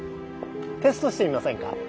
テストしてみませんか？